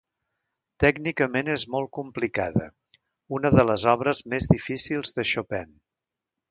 Tècnicament és molt complicada, una de les obres més difícils de Chopin.